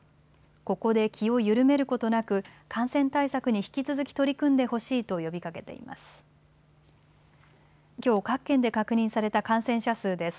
ここで気を緩めることなく感染対策に引き続き取り組んでほしいと呼びかけています。